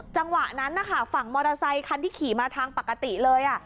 จังหวะนั้นนะคะฝั่งมอเตอร์ไซคันที่ขี่มาทางปกติเลย